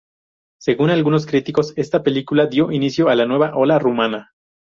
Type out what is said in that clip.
Según algunos críticos, esta película dio inicio a la nueva ola rumana.